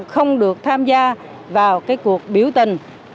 không được tham gia vào cái cuộc biểu tình